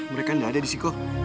mereka sudah ada di siko